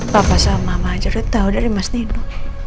papa sama mama aja udah tau dari mas nino